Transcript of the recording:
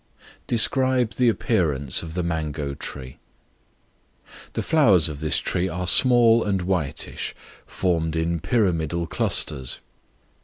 Describe the appearance of the Mango Tree. The flowers of this tree are small and whitish, formed in pyramidal clusters.